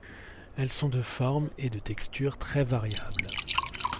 Elles sont de forme et de texture très variables.